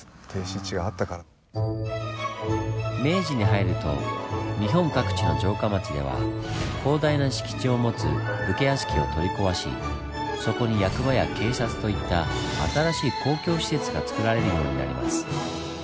明治に入ると日本各地の城下町では広大な敷地を持つ武家屋敷を取り壊しそこに役場や警察といった新しい公共施設がつくられるようになります。